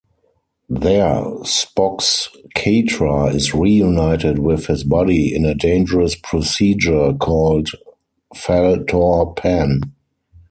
There, Spock's "katra" is reunited with his body in a dangerous procedure called "fal-tor-pan".